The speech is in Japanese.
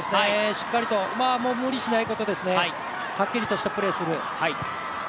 しっかりと、無理しないことですね、はっきりとしたプレーをする。